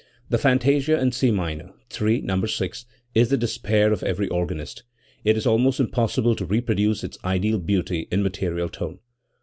The fantasia in C minor (III, No. 6) is the despair of every organist. It is almost impossible to reproduce its ideal beauty in material tone.